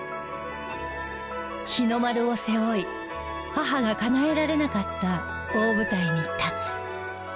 日の丸を背負い母がかなえられなかった大舞台に立つ。